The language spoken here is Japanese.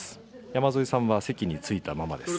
山添さんは席に着いたままです。